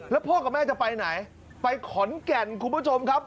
แล้วพ่อกับแม่จะไปไหนไปขอนแก่นคุณผู้ชมครับ